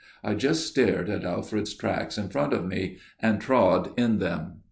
I just stared at Alfred's tracks in front of me and trod in them.